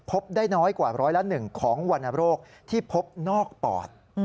พบได้น้อยกว่าร้อยละ๑ของวรรณโรคที่พบนอกปอด